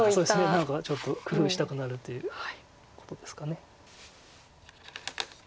何かちょっと工夫したくなるということですか。